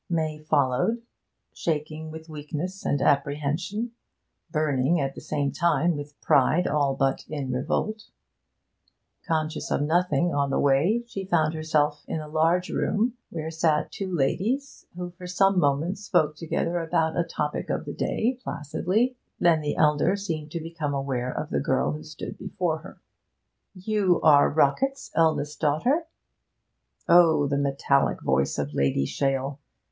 May followed, shaking with weakness and apprehension, burning at the same time with pride all but in revolt. Conscious of nothing on the way, she found herself in a large room, where sat the two ladies, who for some moments spoke together about a topic of the day placidly. Then the elder seemed to become aware of the girl who stood before her. 'You are Rockett's elder daughter?' Oh, the metallic voice of Lady Shale!